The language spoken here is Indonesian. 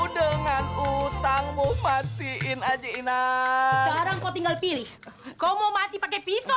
serta mampu elajun